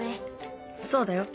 そうだよ。